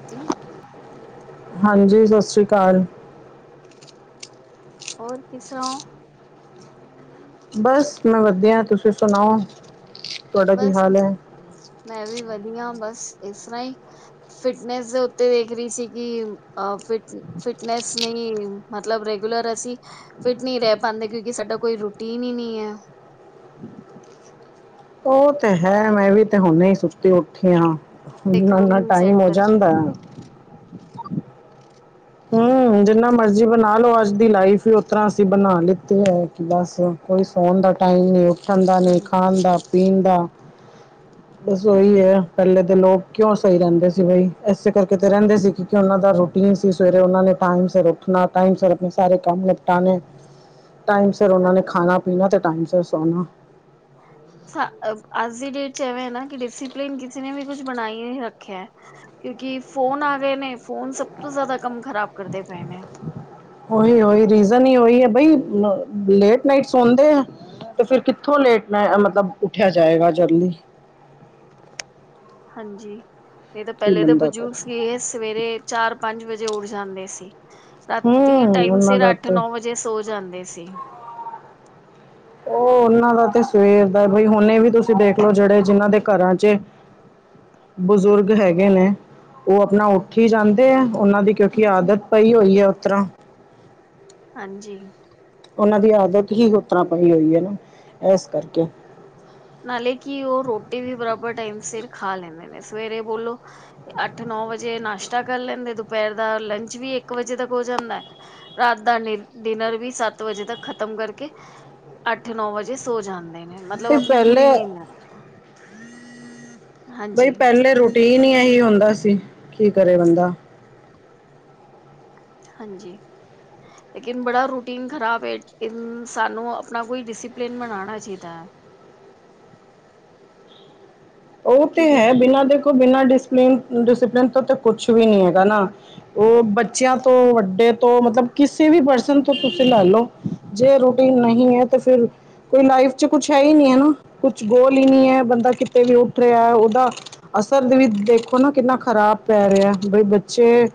[unintelligible] ਹਾਂਜੀ, ਸਤਿ ਸ਼੍ਰੀ ਅਕਾਲ ਹੋਰ ਕਿਸ ਤਰ੍ਹਾਂ ਹੋਰ ਬਸ ਮੈਂ ਵਧੀਆ, ਤੁਸੀਂ ਸੁਣਾਓ, ਤੁਹਾਡਾ ਕੀ ਬਸ ਹਾਲ ਹੈ ਮੈਂ ਵੀ ਵਧੀਆ ਬਸ ਇਸ ਤਰ੍ਹਾਂ ਹੀ। ਫਿਟਨੈਸ ਦੇ ਉੱਤੇ ਵੇਖ ਰੀ ਸੀ ਕਿ ਅ ਫਿਟ- ਫਿਟਨੈਸ ਨਈ ਮਤਲਬ ਰੈਗੂਲਰ ਅਸੀਂ- ਫਿਟ ਨੀ ਰੈਅ ਪਾਂਦੇ ਕਿਉਂਕਿ ਸਾਡਾ ਕੋਈ ਰੂਟੀਨ ਈ ਨੀ ਐ। ਓ ਤੇ ਹੈ ਮੈਂ ਵੀ ਤੇ ਹੁਣੇ ਈ ਸੁੱਤੀ ਉੱਠੀ ਆਂ। ਇੱਕ ਏਨਾ ਏਨਾ ਰੂਟੀਨ ਸੈਟ ਟਾਈਮ ਓ ਕਰ ਜਾਂਦਾ ਹੂੰ ਜਿੰਨਾ ਮਰਜੀ ਬਣਾ ਲੋ ਅੱਜ ਦੀ ਲਾਈਫ ਓ ਤਰ੍ਹਾਂ ਅਸੀਂ ਬਣਾ ਲਿੱਤੀ ਏ। ਕਿ ਬਸ- ਕੋਈ ਸੌਣ ਦਾ ਟਾਈਮ ਨੀ, ਉੱਠਣ ਦਾ ਨੀ, ਹਮ ਖਾਣ ਦਾ, ਪੀਣ ਦਾ। [inaudible] ਬਸ ਓਈ ਐ ਪੈਲੇ ਤੇ ਲੋਗ ਕਿਉਂ ਸਈ ਰੇਂਦੇ ਸੀ ਬਈ। ਏਸੇ ਕਰਕੇ ਤੇ ਰੇਂਦੇ ਸੀ ਕਿਉਕਿ ਉਨਾਂ ਦਾ ਰੂਟੀਨ ਸਿਸ- ਸਵੇਰੇ ਓਨਾ ਨੇ ਟਾਈਮ ਸਿਰ ਉੱਠਣਾ, ਟਾਈਮ ਸਿਰ ਆਪਣੇ ਸਾਰੇ ਕੰਮ ਨਿਪਟਾਣੇ। ਟਾਇਮ- ਫੇਰ ਉਨਾਂ ਨੇ ਹਾਂਜੀ ਖਾਣਾ ਪੀਣਾ ਤੇ ਟਾਈਮ ਸਿਰ ਸੋਣਾ। [inaudible] ਸਾ ਅੱਜ ਦੀ ਡੇਟ ਚ'ਏਵੇਂ ਨਾ ਕਿ ਡਿਸਿਪਲਿਨ ਕਿਸੇ ਨੇ ਵੀ ਕੁਛ ਬਣਾਈ ਨੀ ਰੱਖਿਆ। ਕਿਉਂਕਿ ਫੋਨ ਆ ਗਏ ਨੇ। ਫੋਨ ਸਭ ਤੋਂ ਜ਼ਾਦਾ ਕੰਮ ਖ਼ਰਾਬ ਕਰਦੇ ਪਏ ਨੇ। ਓਈ- ਓਈ ਰੀਜਨ ਈ ਓਈ ਐ ਬਈ ਲੇਟ ਨਾਈਟ ਸੌਂਦੇ ਐ। ਤੇ ਫਿਰ ਕਿੱਥੋਂ ਲੇਟ ਨਾ ਅ ਮੈਂ ਮਤਲਬ ਉੱਠਿਆ ਜਾਏਗਾ ਜਲਦੀ। ਹਾਂਜੀ ਨਈ ਤਾਂ ਕੀ ਪੈਲੇ ਤੇ ਬੰਦਾ ਬਜ਼ੁਰਗ ਕਰੇ ਸੀ। ਏਸ- ਸਵੇਰੇ ਚਾਰ ਪੰਜ ਵਜੇ ਉੱਡ ਜਾਂਦੇ ਸੀ। ਰਾਤੀ ਹੂੰ ਟਾਈਮ ਉਹਨਾਂ ਸਿਰ ਦਾ ਅੱਠ ਤੇ ਨੌ ਵਜੇ- ਜੇ ਸੋ ਜਾਂਦੇ ਸੀ। ਓ ਉਨਾਂ ਦਾ ਤੇ ਸਵੇਰ ਦਾ ਬਈ ਹੁਨੇ ਵੀ ਤੁਸੀਂ ਦੇਖਲੋ। ਜੇੜੇ ਜਿਨਾਂ ਦੇ ਘਰਾਂ' ਚ- ਬਜ਼ੁਰਗ ਹੈਗੇ ਨੇ। ਓ ਆਪਣਾ ਉੱਠ ਈ ਜਾਂਦੇ ਐ। ਉਨਾਂ ਦੀ ਕਿਉਂਕਿ ਆਦਤ ਪਈ ਹੋਈ ਐ ਓ ਤਰ੍ਹਾਂ। ਹਾਂਜੀ ਉਨਾਂ ਦੀ ਆਦਤ ਹੀ ਹੋ ਤਰ੍ਹਾਂ ਪਾਈ ਹੋਈ ਹੈ ਨਾ ਏਸ ਕਰਕੇ। ਨਾਲੇ ਕੀ ਓ ਰੋਟੀ ਵੀ ਬਰਾਬਰ ਟਾਈਮ ਸਿਰ ਖਾ ਲੈਂਦੇ ਨੇ। ਸਵੇਰੇ ਬੋਲੋ- ਅੱਠ ਨੌ ਵਜੇ ਨਾਸ਼ਤਾ ਕਰ ਲੈਂਦੇ। ਦੁਪਹਿਰ ਦਾ ਲੰਚ ਵੀ ਇੱਕ ਵਜੇ ਤੱਕ ਹੋ ਜਾਂਦਾ। ਰਾਤ ਦਾ ਡਿ- ਡਿਨਰ ਵੀ ਸੱਤ ਵਜੇ ਤੱਕ ਖਤਮ ਕਰਕੇ- ਅੱਠ ਨੌ ਵਜੇ ਸੋ ਜਾਂਦੇ ਨੇ ਮਤਲਬ ਤੇ ਆਪਣੀ ਪੂਰੀ ਪਹਿਲੇ ਨੀਂਦ ਲੈਂਦੇ। ਆ। ਬਈ ਹਾਂਜੀ ਪੈਲੇ ਰੂਟੀਨ ਏਹੀ ਹੁੰਦਾ ਸੀ। ਕੀ ਕਰੇ ਬੰਦਾ। ਹਾਂਜੀ ਲੇਕਿਨ ਬੜਾ ਰੂਟੀਨ ਖ਼ਰਾਬ ਏ। ਏੲ ਸਾਨੂੰ ਆਪਣਾ ਕੋਈ ਡਿਸਪਲਿਨ ਬਣਾਣਾ ਚਾਈਦਾ ਐ। ਓ ਤੇ ਕਿਉਂਕਿ ਹੈ ਬਿਨਾਂ ਦੇਖੋ ਬਿਨਾਂ ਡਿਸਪਨ ਡਿਸਪਲਨ ਤੋਂ ਤਾਂ ਕੁਛ ਵੀ ਨੀ ਹੈਗਾ ਨਾ। ਓ ਬੱਚਿਆਂ ਤੋਂ ਵੱਡੇ ਤੋਂ ਮਤਲਬ ਕਿਸੇ ਵੀ ਪਰਸਨ ਤੋਂ ਤੁਸੀਂ ਲੈ ਲਓ। ਜੇ ਰੂਟੀਨ ਨਹੀਂ ਹੈ ਤੇ ਫਿਰ- ਕੋਈ ਲਾਈਫ ਚ ਕੁਛ ਹੈ ਈ ਨੀ ਐ ਨਾ। ਕੁਛ ਗੋਲ ਈ ਨੀ ਹੈ ਬੰਦਾ ਕਿਤੇ ਵੀ- ਰਿਆ। ਉਦਾ ਅਸਰ ਵੀ ਦੇਖੋ ਨਾ ਕਿੰਨਾ ਖ਼ਰਾਬ ਪੈ ਰਿਆ। ਬਈ ਬੱਚੇ-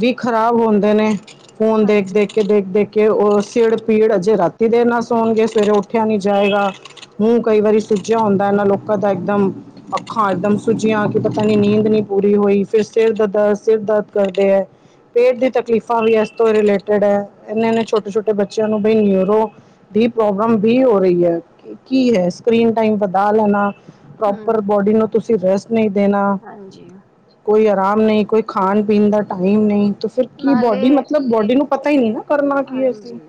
ਵੀ ਖ਼ਰਾਬ ਹੋਂਦੇ ਨੇ। ਫੋਨ ਦੇਖ ਹਾਂਜੀ -ਦੇਖ ਕੇ, ਦੇਖ -ਦੇਖ ਕੇ। ਕਿ ਓ ਸਿੜ ਪੀੜ ਅਜੇ ਰਾਤੀ ਦੇਰ ਨਾਲ ਸੌਣਗੇ। ਸਵੇਰੇ ਉੱਠਿਆ ਨੀ ਜਾਏਗਾ। ਮੂੰਹ ਕਈ ਵਾਰੀ ਸੁੱਜਿਆ ਹੁੰਦਾ ਏਨਾਂ ਲੋਕਾਂ ਦਾ ਇੱਕਦਮ। ਅੱਖਾਂ ਇਕਦਮ ਸੁੱਜੀਆਂ ਕਿ ਪਤਾ ਨੀ ਨੀਂਦ ਨੀ ਪੂਰੀ ਹੋਈ। ਫਿਰ ਸਿਰ ਦਰਦ- ਸਿਰ ਦਰਦ ਕਰਦੇ ਐ। ਪੇਟ ਦੀ ਤਕਲੀਫ਼ਾਂ ਵੀ ਇਸ ਤੋਂ ਰਿਲੇਟਿਡ ਐ। ਏਨੇ- ਏਨੇ ਛੋਟੇ ਛੋਟੇ ਬੱਚਿਆਂ ਨੂੰ ਬਈ ਨਰੋ- ਦੀ ਪ੍ਰੋਬਲਮ ਵੀ ਹੋ ਰਹੀ ਐ। ਕੀ ਹੈ ਸਕ੍ਰਰੀਨ ਟਾਈਮ ਵਧਾ ਲੈਣਾ। ਪਰ ਹਮ ਬੋਡੀ ਨੂੰ ਤੁਸੀਂ ਰੈਸਟ ਨਹੀਂ ਦੇਣਾ। ਹਾਂਜੀ ਕੋਈ ਆਰਾਮ ਨਈ, ਕੋਈ ਖਾਣ ਪੀਣ ਦਾ ਟਾਈਮ ਨਈ, ਤਾਂ ਫਿਰ ਕੀ ਨਾਲੇ ਬੋਡੀ ਮਤਲਬ ਬੋਡੀ ਨੂੰ ਪਤਾ ਈ ਨਈ ਨਾ। ਕਰਨਾ ਕੀ ਅਸੀ। ਹਾਂਜੀ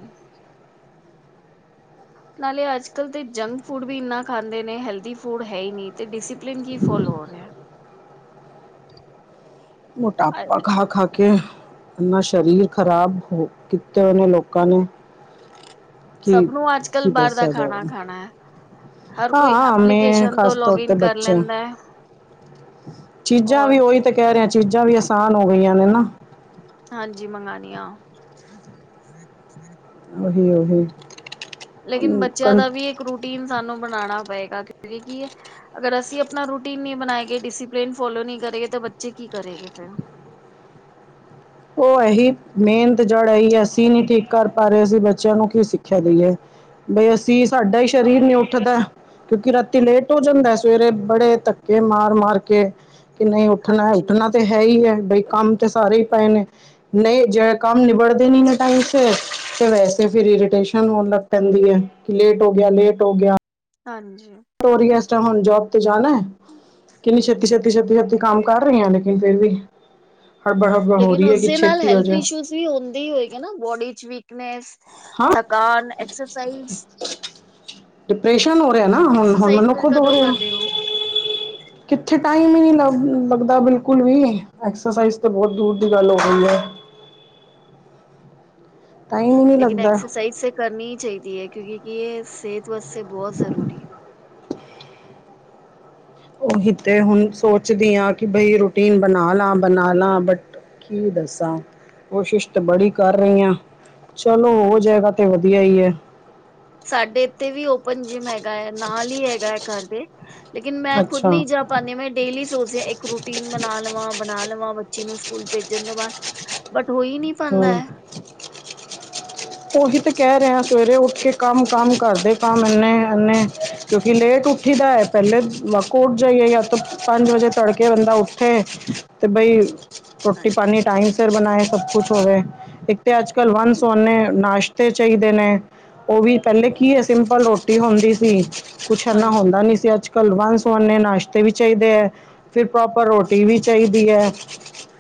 ਨਾਲੇ ਅੱਜ ਕੱਲ੍ਹ ਤੇ ਜੰਕ ਫੂਡ ਵੀ ਏਨਾ ਖਾਂਦੇ ਨੇ ਹੈਲਦੀ ਫੂਡ ਹੈ ਈ ਨੀ। ਤੇ ਡਿਸਿਪ- ਲਿੰਨ ਕੀ ਫੋਲੋ ਹੋ ਰਿਆ। ਮੋਟਾਪਾ ਖਾ ਖਾ ਕੇ- ਏਨਾ ਸਰੀਰ ਖ਼ਰਾਬ ਹੋ ਕੀਤੇ ਹੋਏ ਨੇ ਲੋਕਾਂ ਨੇ। ਸਭ ਕਿ ਨੂੰ ਅੱਜ-ਕੱਲ ਬਾਰ ਦਾ ਖਾਣਾ ਖਾਣਾ ਐ। ਹਾਂਆ ਮੈਂ, ਤੋਂ ਖਾਸ ਤੌਰ ਲੌਗਇਨ ਤੇ ਕਰ ਬੱਚਾ ਲੈਂਦਾ ਹੈ ਚੀਜਾਂ ਔਰ ਵੀ ਓਈ ਤੇ ਕੈ ਰਹੇ ਆ, ਚੀਜਾਂ ਵੀ ਅਸਾਨ ਹੋ ਗਈਆਂ ਨੇ ਨਾ ਹਾਂਜੀ, ਮੰਗਾਨੀ ਆ ਉਹ ਓਹੀ, ਓਹੀ ਲੇਕਿਨ ਬੱਚੇਆ ਦਾ ਵੀ ਇੱਕ ਰੂਟੀਨ ਸਾਨੂੰ ਬਣਾਣਾ ਪਏਗਾ [unintelligible] ਅਗਰ ਅਸੀਂ ਆਪਣਾ ਰੂਟੀਨ ਨਹੀਂ ਬਣਾਏ ਗਏ, ਡਿਸਪਲੇਨ ਫੋਲੋ ਨਹੀਂ ਕਰੇ ਤਾਂ ਬੱਚੇ ਕੀ ਕਰੇਗੇ ਫਿਰ। ਓ ਏਹੀ, ਮੇਨ ਤੇ ਜੜ ਏਈ ਐ, ਅਸੀਂ ਨੀ ਠੀਕ ਕਰ ਪਾ ਰਹੇ। ਅਸੀ ਬੱਚੇਆਂ ਨੂੰ ਕੀ ਸਿੱਖਿਆ ਦੇਈਏ। ਬਈ ਅਸੀ, ਸਾਡਾ ਈ ਸ਼ਰੀਰ ਨੀ ਉੱਠਦਾ ਕਿਉਂਕਿ ਰਾਤੀ ਲੇਟ ਹੋ ਜਾਂਦਾ, ਸਵੇਰੇ ਬੜੇ ਧੱਕੇ ਮਾਰ-ਮਾਰ ਕੇ ਕਿ ਨਈ ਉਠਨਾ, ਹਾਂਜੀ ਉਠਨਾ ਤਾਂ ਹੈਈ ਏ, ਬਈ ਕੰਮ ਤੇ ਸਾਰੇ ਈ ਪਏ ਨੇ ਨਈ, ਜੇ ਕੰਮ ਨਿਬੜਦੇ ਨੀ ਏ ਟਾਈਮ ਸੇ, ਤੇ ਵੈਸੇ ਫਿਰ ਇਰੀਟੇਸ਼ਨ ਹੋਨ ਲਗ ਪੈਂਦੀ ਐ, ਕਿ ਲੇਟ ਹੋਗਯਾ, ਲੇਟ ਹੋਗਯਾ ਹਾਂਜੀ। [unintelligible] ਇਸ ਟਾਈਮ ਹੁਣ ਜੋਬ ਤੇ ਜਾਣੈ? ਕਿੰਨੀ ਛੇਤੀ-ਛੇਤੀ-ਛੇਤੀ-ਛੇਤੀ ਕੰਮ ਕਾਰੇਆਂ ਲੇਕਿਨ ਫੇਰ ਵੀ ਹਰਬੜ-ਹਰਬੜ ਹੋਰੀ ਏ ਕਿ ਛੇਤੀ ਹੋਜਾ। ਹੁੰਦੀ ਹੋਏਗੀ ਨਾ ਬੋਡੀ ਚ ਵੀਕਨੈਸ, ਹਾਂ ਥਕਾਨ, ਐਕਸਰਸਾਈਜ਼ ਡਿਪ੍ਰੈਸ਼ਨ ਹੋ ਰਿਆ ਨਾ ਹੁਨ, ਹੁਨ ਐਕਸਰਸਾਈਜ਼ ਮੈਨੂੰ ਫਿਰ ਖੁਦ ਹੋ ਕਦੋਂ ਰਿਹਾ। ਕਰਦੇ ਹੋ ਕਿੱਥੇ ਟਾਈਮ ਈ ਨੀ ਲਵ ਲਗਦਾ ਬਿਲਕੁਲ ਵੀ, ਐਕਸਸਾਈਜ਼ ਤੇ ਬੋਤ ਦੂਰ ਦੀ ਗੱਲ ਹੋ ਗਈ ਐ ਟਾਈਮ ਹੀ ਨਹੀਂ ਲੇਕਿਨ ਲੱਗਦਾ ਐਕਸਸਾਈਜ਼ ਤੇ ਕਰਨੀ ਈ ਚਾਈਦੀ ਏ, ਕਿਉਂਕਿ ਕਿ ਏ ਸੇਤ ਵਾਸਤੇ ਬੋਤ ਜ਼ਰੂਰੀ ਏ। ਓਹੀ ਤੇ, ਹੂਨ ਸੋਚਦੀ ਆਂ ਕਿ ਬਈ ਰੂਟੀਨ ਬਨਾ ਲਾ, ਬਨਾ ਲਾ ਬਟ ਕੀ ਦੱਸਾਂ, ਕੋਸ਼ਿਸ਼ ਤੇ ਬੜੀ ਕਰ ਰਈ ਆਂ ਚਲੋ, ਹੋ ਹਾਂਜੀ ਜੇਗਾ ਤੇ ਵਧੀਆ ਈ ਏ ਸਾਡੇ ਇੱਥੇ ਵੀ ਓਪਨ ਜਿੰਮ ਹੈਗਾ ਐ, ਨਾਲ ਹੀ ਹੈਗਾ ਐ ਘਰ ਦੇ ਲੇਕਿਨ ਮੈਂ ਖੁਦ ਅੱਛਾ ਨਹੀਂ ਜਾ ਪਾਂਦੀ। ਮੈ ਡੇਲੀ ਸੋਚਦੀ ਆ ਇੱਕ ਰੋਟ ਟੀਨ ਬਨਾ ਲਵਾਂ, ਬਨਾ ਲਵਾਂ ਬੱਚੀ ਨੂੰ ਸਕੂਲ ਭੇਜਨ ਤੋ ਬਾਦ, ਬਟ ਹੋਈ ਨੀ ਹੂੰ। [inaudible] ਓਹੀ ਤੇ ਕੈ ਰਹੇ ਆਂ, ਸਵੇਰੇ ਉਠ ਕੇ ਕੰਮ-ਕੰਮ ਘਰਦੇ ਕੰਮ ਏਨੇ-ਏਨੇ ਕਿਉਂਕਿ ਲੇਟ ਉਠੀ ਦਾ ਐ, ਪੈਲੇ [unintelligible] ਉਠ ਜਾਈਏ ਯਾ ਤੋ ਪੰਜ ਵਜੇ ਤੜਕੇ ਬੰਦਾ ਉਠੇ ਤੇ ਬਈ, ਰੋਟੀ ਹਾਂਜੀ ਪਾਣੀ ਟਾਈਮ ਸਿਰ ਬਨਾਏ ਸਬ ਕੁਛ ਹੋਵੇ, ਇੱਕ ਤੇ ਅੱਜ ਕੱਲ ਵਨ ਸਵੱਨੇ ਨਾਸ਼ਤੇ ਚਾਈਦੇ ਨੇ ਓਵੀ ਪੈਲੇ ਕੀਏ ਸਿੰਪਲ ਰੋਟੀ ਹੁੰਦੀ ਸੀ, ਕੁਛ ਏਨਾ ਹਾਂਜੀ ਹੁੰਦਾ ਨੀ ਸੀ ਅੱਜ ਕੱਲ ਵਨ ਸਵੱਨੇ ਨਾਸ਼ਤੇ ਵੀ ਚਾਈਦੇ ਐ, ਫਿਰ ਪ੍ਰੋਪਰ ਰੋਟੀ ਵੀ ਚਾਈਦੀ ਐ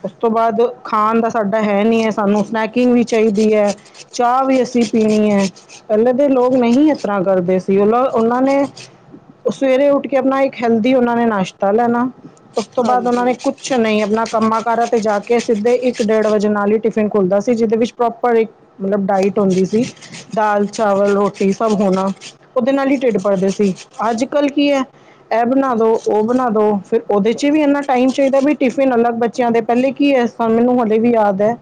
ਉਸ ਤੋਂ ਬਾਅਦ ਖਾਣ ਦਾ ਸਾਡਾ ਹੈ ਨਹੀਂ ਐ, ਸਾਨੂੰ ਸਨੈਕਿੰਗ ਵੀ ਚਾਹੀਦੀ ਐ। ਚਾਅ ਵੀ ਅਸੀ ਪੀਣੀ ਐ ਪੈਲੇ ਦੇ ਲੋਗ ਨਹੀਂ ਇਸ ਤਰਾਂ ਕਰਦੇ ਸੀ, [unintelligible] ਓਨਾ ਨੇ ਓ ਸਵੇਰੇ ਉਠ ਕੇ ਅਪਨਾ ਇੱਕ ਹੈਲਦੀ ਉਨਾ ਨੇ ਨਾਸ਼ਤਾ ਲੈਨਾ ਉਸ ਤੋ ਬਾਦ ਉਨਾ ਹਾਂਜੀ ਨੇ ਕੁਛ ਨਈ, ਅਪਨਾ ਕੰਮਾ ਕਾਰਾ ਤੇ ਜਾ ਕੇ ਸਿੱਧੇ ਇੱਕ-ਡੇਡ ਵਜੇ ਨਾਲ ਈ ਟਿ ਫਿਨ ਖੁਲਦਾ ਸੀ। ਜਿਦੇ ਵਿੱਚ ਪ੍ਰੋਪਰ ਇੱਕ ਮਤਲਬ ਡਾਇਟ ਹੁੰਦੀ ਸੀ ਦਾਲ, ਹਮ। ਚਾਵਲ, ਰੋਟੀ ਸਬ ਹੋਨਾ, ਓਦੇ ਨਾਲ ਈ ਟਿਡ ਭਰਦੇ ਸੀ, ਅੱਜ ਕੱਲ ਕੀ ਐ ਐ ਬਨਾ ਦੋ, ਓ ਬਨਾ ਦੋ, ਫੇਰ ਓਦੇ ਚ ਵੀ ਏਨਾ ਟਾਈਮ ਚਾਈਦਾ ਵੀ ਟਿਫਿਨ ਅਲਗ ਬੱਚੇਆਂ ਦੇ ਪੈਲੇ ਕੀ ਐ ਹਾਂ, ਮੈਨੂੰ ਹਲੇੇ ਵੀ ਯਾਦ ਐ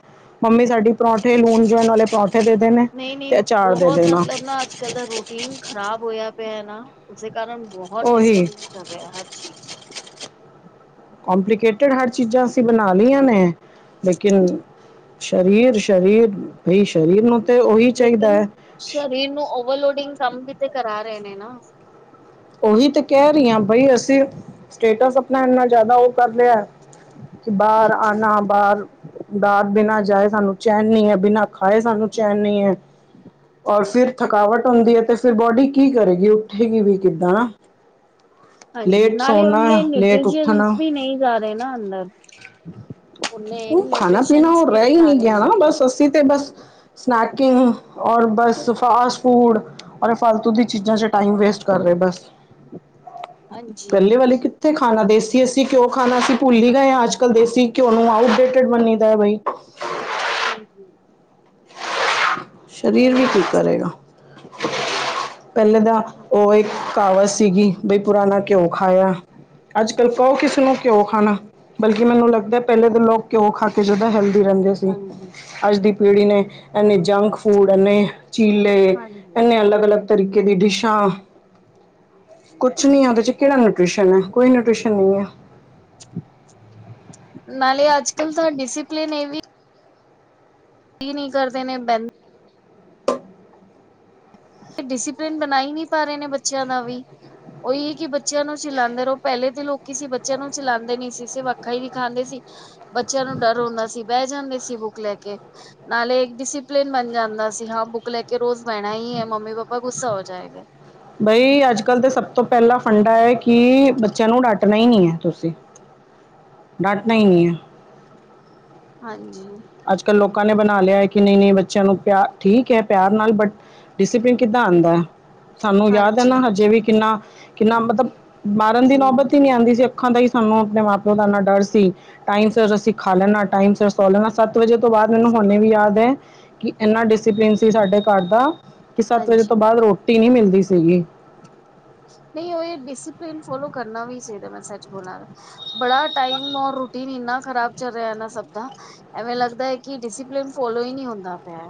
ਮੰਮੀ ਸਾਡੀ ਪਰੌਂਠੇਂ, ਲੂਨ ਜਵੈਨ ਆਲੇ ਪਰੌਂਠੇਂ ਦੇ ਦੇਨੇ, ਨਹੀਂ ਨਹੀਂ ਤੇ ਅਚਾਰ ਦੇ ਬਹੁਤ ਦੇਣਾ। ਮਤਲਬ ਨਾ ਅੱਜ ਕੱਲ ਦਾ ਰੂਟੀਨ ਖਰਾਬ ਹੋਯਾ ਪੇਆ ਨਾ, ਉਸੇ ਕਾਰਨ ਬੋਹਤ ਉਹੀ ਡਿਸਟਰਬਿੰਗ ਕਰ ਰਿਹਾ ਹਰ ਚੀਜ ਚ। ਕੋੰਪਲੀਕੇਟਿਡ ਹਰ ਚੀਜਾਂ ਅਸੀ ਬਨਾ ਲਈਆਂ ਨੇ, ਲੇਕਿਨ ਸ਼ਰੀਰ, ਸ਼ਰੀਰ ਬਹੀ ਸ਼ਰੀਰ ਨੂ ਤੇ ਉਈ ਚਈਦਾ ਐ ਸ਼ਰੀਰ ਨੂ ਓਵਰਲੋਡਿੰਗ ਕੰਮ ਵੀ ਤੇ ਕਰਾ ਰਏ ਨੇ ਨਾ ਉਹੀ ਤੇ ਕੈਰੀਆਂ ਬਈ ਅਸੀ, ਸਟੇਟਸ ਅਪਨਾ ਏਨਾ ਜਾਦਾ ਓ ਕਰ ਲੇਆ। ਕਿ ਬਾਰ ਹਾਂਜੀ ਆਨਾ ਬਾਰ। ਦਾਤ ਬਿਨਾ ਜਾਏ ਸਾਨੂੰ ਚੈਨ ਨ ਹੈ। ਬਿਨਾ ਖਾਏ ਸਾਨੂੰ ਚੈਨ ਨ ਹੈ। ਔਰ ਫਿਰ ਥਕਾਵਟ ਹੁਦੀ ਹੈ। ਤੇ ਫਿਰ ਬੋਡੀ ਕੀ ਕਰੇਗੀ ਉਠੇਗੀ ਵੀਕ। ਕਿੱਦਾਂ। ਹਾਂਜੀ, ਲੇਟ ਨਾਲੇ ਸੌਣਾ ਉਹਨੇ ਲੇਟ ਨਿਊਐਡਮਿਸ਼ਨ ਉੱਠਣਾ ਵੀ ਨਹੀ। ਜਾ ਰਹੇ ਨਾ ਅੰਦਰ। ਨੇ ਉਹ ਨਿਊਐਡਮਿਸ਼ਨ ਵੀ ਨਹੀ ਆ ਰਹੇ ਨੇ ਅੰਦਰ। ਕਿਤੇ ਬਸ ਸਨੈਕਸ ਔਰ ਬਸ ਫਾਸਟ ਫੂਡ ਔਰ ਇਹ ਫਾਲਤੂ ਦੀ ਚੀਜ਼ਾ 'ਚ ਟਾਈਮ ਵੇਸਟ ਕਰ ਰਹੇ ਬਸ। [inaudible] ਪਹਿਲੇ ਵਾਲੇ ਕਿਥੇ ਖਾਣਾ ਦੇਸੀ ਅਸੀ ਘਿਉ ਖਾਣਾ ਅਸੀ ਭੁਲੀ ਗਏ ਹਾਂ ਅਜ ਕਲ ਦੇਸੀ ਘਿਉ ਨੂੰ ਆਊ ਕਿਥੇ ਬਨਦਾ ਬਈ। ਹਾਂਜੀ। ਸਰੀਰ ਨਹੀਂ ਵੀ ਠੀਕ ਨਹੀਂ ਸਹੀ ਕਰੇਗਾ। ਪਹਿਲੇ ਤਾਂ ਉਹ ਇਕ ਕਹਾਵਤ ਸੀਗੀ। ਬਈ ਪੁਰਾਣਾ ਘਿਓ ਖਾਇਆ। ਅਜ ਕਲ ਕਹ ਕਿਸੇ ਨੂੰ ਘਿਉ ਖਾਣਾ ਬਲਕਿ ਮੈਨੂੰ ਲਗਦਾ ਪਹਿਲੇ ਤਾਂ ਲੋਕ ਘਿਓ ਖਾ ਕੇ ਜਿਦਾ ਹੈਲਦੀ ਰਹਿੰਦੇ ਸੀ। ਹਾਂਜੀ ਅੱਜ ਦੀ ਪੀੜ੍ਹੀ ਨੇ ਇੰਨੀ ਜੰਕ ਫੂਡ ਨੇ ਚੀਲੇ ਹਾਂਜੀ ਨੇ ਅਲਗ- ਅਲਗ ਤਰੀਕੇ ਦੀ ਡਿਸ਼ਾਂ ਕੁਛ ਨੀ ਹੈ। ਉਹਦੇ 'ਚ ਕਿਹੜਾ ਨਿਊਟ੍ਰਿਸ਼ਨ ਹੈ। ਕੋਈ ਨਿਊਟ੍ਰਿਸ਼ਨ ਨਹੀ ਹੈ। ਨਾਲੇ ਅਜ ਕਲ ਤਾਂ ਡਿਸਿਪਲਿਨ ਇਹ ਵੀ ਨਹੀ ਕਰਦੇ ਨੇ ਬਹਿੰ ਡਿਸਿਪਲਿਨ ਬਣਾਈ ਨਹੀ ਪਾ ਰਹੇ ਨੇ ਬੱਚਿਆਂ ਦਾ ਵੀ। ਉਹੀ ਕਿ ਬੱਚਿਆਂ ਨੂੰ ਚਲਾਉਦੇ ਰਹੋ। ਪਹਿਲੇ ਤਾਂ ਲੋਕ ਹੀ ਸੀ ਬੱਚਿਆਂ ਨੂੰ ਚਲਾਉਦੇ ਨਹੀ ਸੀ ਸੀਰਫ ਅੱਖਾ ਹੀ ਦਿਖਾਉਦੇ ਸੀ। ਬੱਚਿਆਂ ਨੂੰ ਡਰ ਹੁੰਦਾ ਸੀ। ਬਹਿ ਜਾਂਦੇ ਸੀ ਬੁੱਕ ਲੈ ਕੇ। ਨਾਲੇ ਇਕ ਡਿਸਿਪਲਿਨ ਬਣ ਜਾਦਾ ਸੀ ਹਾਂ ਬੁੱਕ ਲੈ ਕੇ ਰੋਜ਼ ਬਹਿਣਾ ਹੀ ਹੈ। ਮੰਮੀ- ਪਾਪਾ ਗੁੱਸਾ ਹੋ ਜਾਏਗੇ। ਬਈ ਅਜ ਕਲ ਤਾਂ ਸਭ ਤੋਂ ਪਹਿਲਾਾਂ ਫੰਡਾ ਹੈ। ਕਿ ਬੱਚਿਆਂ ਨੂੰ ਡੱਟਣਾ ਹੀ ਨਹੀ ਹੈ। ਤੁਸੀ। ਹਾਂ [inaudible] ਡਾਂਟਣਾ ਹੀ ਨਹੀ ਹੈ। ਹਾਂਜੀ। ਅਜ ਕਲ ਲੋਕਾਂ ਨੇ ਬਣਾ ਲਿਆ ਹੈ। ਕਿ ਨਹੀ- ਨਹੀ ਬੱਚਿਆਂ ਨੂੰ ਪਿਆ ਠੀਕ ਹੈ। ਪਿਆਰ ਨਾਲ ਬਟ ਡਿਸਪਲਿਨ ਕਿੱਦਾ ਆਉਂਦਾ। ਸਾਨੂੰ ਯਾਦ ਹੈ। ਹਾਂਜੀ ਨਾ ਹਜੇ ਵੀ ਕਿਨਾ- ਕਿਨਾ ਮਤਲਬ ਮਾਰਨ ਦੀ ਹਮ ਨੌਬਤ ਹੀ ਨਹੀ ਆਉਦੀ ਸੀ। ਅੱਖਾਂ ਦਾ ਹੀ ਸਾਨੂੰ ਆਪਣੇ ਮਾਂ- ਪਿਓ ਦਾ ਇਨਾ ਡਰ ਸੀ। ਟਾਈਮ ਸਿਰ ਅਸੀ ਖਾ ਲੈਣਾ, ਟਾਈਮ ਸਿਰ ਸੌ ਲੈਣਾ। ਸੱਤ ਵਜੇ ਤੋਂ ਬਾਅਦ ਮੈਨੂੰ ਹੁਾਨੇ ਵੀ ਯਾਦ ਹੈ। ਕਿ ਇਨਾ ਡਿਸਪਲਿਨ ਸੀ ਸਾਡੇ ਘਰ ਦਾ ਕਿ ਸੱਤ ਵਜੇ ਹਾਂਜੀ ਤੋਂ ਬਾਅਦ ਰੋਟੀ ਨਹੀ ਮਿਲਦੀ ਸੀਗੀ। ਨਹੀ ਉਹ ਇਹ ਡਿਸਪਲਨ ਫੋਲੋ ਕਰਨਾ ਵੀ ਚਾਹੀਦਾ। ਮੈ ਸੱਚ ਬੋਲਾ ਬੜਾ ਟਾਈਮ ਔਰ ਰੂਟੀਨ ਇਨਾ ਖਰਾਬ ਚਲ ਰਿਹਾ ਇਹਨਾ ਸਭ ਦਾ। ਐਵੇਂ ਲਗਦਾ ਹੈ। ਕਿ ਡਿਸਪਲਿਨ ਫੋਲੋ ਹੀ ਨਹੀ ਹੁੰਦਾ ਪਿਆ।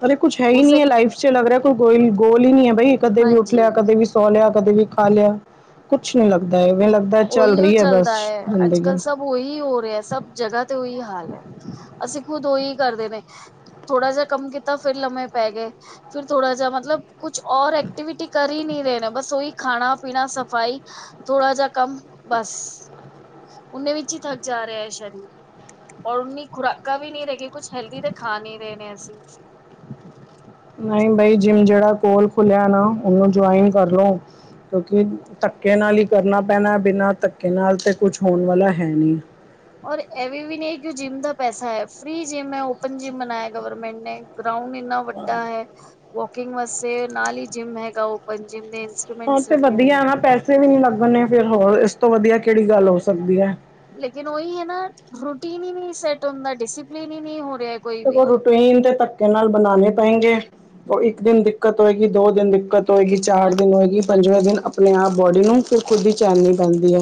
ਪਰ ਕੁਛ ਹੈ ਹੀ ਨੀ ਉਸਦੇ ਹੈ। ਲਾਈਫ 'ਚ ਲੱਗ ਰਿਹਾ ਕੋਈ ਗੋਲ ਹੀ ਨਹੀ ਹੈ। ਬਈ ਕਦੇ ਵੀ ਉਠ ਲਿਆ ਹਾਂਜੀ ਕਦੇ ਵੀ ਸੋ ਲਿਆ, ਕਦੇ ਵੀ ਖਾ ਲਿਆ, ਕੁਛ ਨੀ ਲਗਦਾ ਇਵੇ ਲਗਦਾ ਚਲ ਉਹੀਓ ਰਹੀ ਹੈ। ਬਸ ਚੱਲਦਾ ਅੱਜ ਕੱਲ੍ਹ ਜ਼ਿਦਗੀ। ਸਭ ਉਹੀ ਹੋ ਰਿਹਾ ਸਭ ਜਗਾ ਤੇ ਉਹੀ ਹਾਲ ਹੈ। ਅਸੀ ਖੁਦ ਉਹੀ ਕਰਦੇ ਨੇ। ਥੋੜਾ ਜਿਹਾ ਕੰਮ ਕੀਤਾ ਫੇਰ ਲੰਮੇ ਪੈ ਗਏ। ਫਿਰ ਥੋੜਾ ਜਿਹਾ ਮਤਲਬ ਕੁਛ ਔਰ ਐਕਟੀਵਿਟੀ ਕਰ ਹੀ ਨਹੀ ਰਹੇਣਾ ਬਸ ਉਹੀ ਖਾਣਾ, ਪੀਣਾ, ਸਫ਼ਾਈ ਥੋੜਾ ਜਿਹਾ ਕੰ। ਮ ਬਸ, ਓਨੇ ਵਿਚ ਹੀ ਥਕ ਜਾ ਰਿਹਾ ਹੈ। ਸ਼ਰੀਰ- ਔਰ ਉਨੀ ਖੁਰਾਕਾਂ ਵੀ ਨਹੀ ਰਹਿ ਗ ਕੁਛ ਹੈਲਦੀ ਤੇ ਖਾ ਨੀ ਰਹੇ ਨੇ ਅਸੀ। ਨਹੀ ਬਾਈ ਜਿਮ ਜਿਹੜਾ ਕੋਲ ਖੁੱਲਿਆ ਨਾ ਉਹਨੂੰ ਜੁਆਇਨ ਕਰ ਲਉ। ਕਿਉਕਿ ਧੱਕੇ ਨਾਲ ਹੀ ਕਰਨਾ ਪੈਣਾ ਬਿਨਾ ਧੱਕੇ ਨਾਲ ਤਾਂ ਕੁਛ ਹੋਣ ਵਾਲਾ ਹੈ ਨਹੀ। ਔਰ ਇਹਵੇ ਵੀ ਨਹੀ ਕਿ ਜਿਮ ਦਾ ਪੈਸਾ ਹੈ। ਫ੍ਰਰੀ ਜਿੰਮ ਹੈ। ਓਪਨ ਜਿਮ ਬਣਾਇਆ ਗਵਰਮੈਂਟ ਨੇ ਗਰਾਉਡ ਇਨਾ ਵਡਾ ਹੈ। ਵੋਕਿੰਗ ਮਸ ਨਾਲ ਹੀ ਜਿਮ ਹੈਗਾ ਓਪਨ ਜਿੰਮ ਦੇ ਇ ਹਾਂ ਤੇ ਵਧੀਆ ਪੈਸੇ ਵੀ ਨੀ ਲਗਨੇ ਫਿਰ ਹੋਰ ਇਸ ਤੋਂ ਵਧੀਆ ਕਿਹੜੀ ਗੱਲ ਹੋ ਸਕਦੀ ਹੈ। ਲੇਕਿਨ ਉਹੀ ਹੈ। ਨਾ ਰੂਟੀਨ ਹੀ ਨਹੀ ਸੈਟ ਹੁਦਾ ਡਿਸਿਪਲਨ ਹੀ ਨਹੀ ਹੋ ਰਿਹਾ। ਕੋਈ ਵੀ ਰੂਟੀਨ ਦੇ ਧੱਕੇ ਨਾਲ ਬਣਾਉਣੇ ਪੈਗੇ ਉਹ ਇੱਕ ਦਿਨ ਦਿੱਕਤ ਹੋਏਗੀ ਦੋ ਦਿਨ ਦਿੱਕਤ ਦਿੱਕਤ ਹੋਏਗੀ ਚਾਰ ਦਿਨ ਹਾਂਜੀ ਹੋਏਗੀ ਪੰਜਵੇਂ ਦਿਨ ਆਪਣੇ ਆਪ ਬੋਡੀ ਨੂੰ ਫਿਰ ਖੁਦ ਹੀ ਚੈਨ ਜੀ ਪੈਂਦੀ ਹੈ।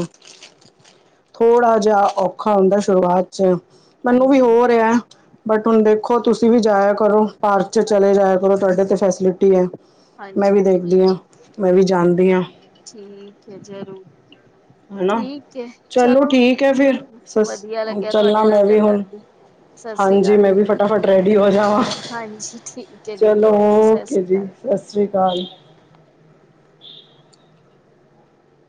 ਥੋੜਾ ਜਿਹਾ ਔਖਾ ਹੁੰਦੈ ਸ਼ੁਰੂਆਤ ਚ ਮੈਨੂੰ ਵੀ ਹਾਂਜੀ ਹੋਰ ਰਿਹਾਂ ਬਟ ਹੁਣ ਦੇਖੋ ਤੁਸੀਂ ਵੀ ਜਾਇਆ ਕਰੋ ਪਾਰਕ ਚਲੇ ਜਾਇਆ ਕਰੋ ਤੁਹਾਡੇ ਤੇ ਫੈਸਿਲਿਟੀ ਹੈ। ਮੈਂ ਹਾਂਜੀ ਵੀ ਦੇਖਦੀ ਹਾਂ ਮੈਂ ਵੀ ਜਾਂਦੀ ਹਾਂ। ਠੀਕ ਹੈ ਜ਼ਰੂਰ, ਹਨਾ ਠੀਕ ਹੈ ਚਲੋ ਠੀਕ ਹੈ, ਫਿਰ ਸ ਵਧੀਆ ਲੱਗਿਆ ਚੱਲਾ ਤੁਹਾਡੇ ਨਾਲ ਮੈਂ ਵੀ ਗੱਲ ਹੁਣ ਕਰਕੇ ਸਤਿ ਸ੍ਰੀ ਹਾਂਜੀ ਅਕਾਲ ਮੈਂ ਵੀ ਦੀਦੀ ਫਟਾਫਟ ਰੈਡੀ ਹੋ ਜਾਵਾਂ ਹਾਂਜੀ ਠੀਕ ਹੈ ਦੀਦੀ ਚਲੋ ਸਤਿ ਓਕੇ ਸ੍ਰੀ ਜੀ ਅਕਾਲ ਸਤਿ ਸ਼੍ਰੀ ਅਕਾਲ